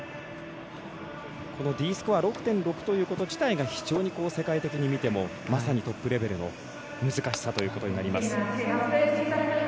このＤスコア６．６ということ自体が非常に世界的に見てもまさにトップレベルの難しさということになります。